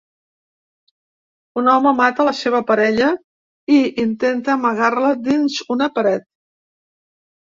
Un home mata la seva parella i intenta amagar-la dins una paret.